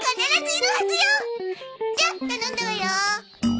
じゃあ頼んだわよ。